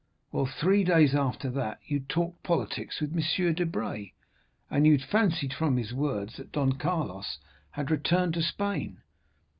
Well, three days after that you talked politics with M. Debray, and you fancied from his words that Don Carlos had returned to Spain.